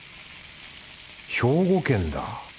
兵庫県だ